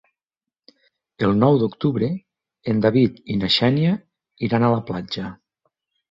El nou d'octubre en David i na Xènia iran a la platja.